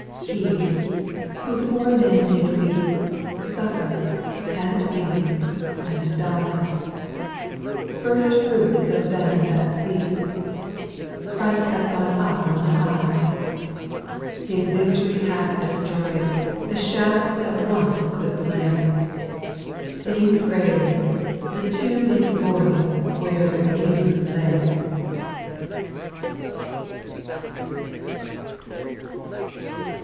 6. He, who for men did weep. Suffer, and bleed, and die, — First fruits of them that sleep, — Christ hath gone up on high. 6. His victory hath destroyed The shafts that once could slay ; Sing praise I the tomb is void Where the Redeemer lay.